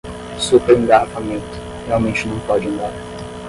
Super engarrafamento, realmente não pode andar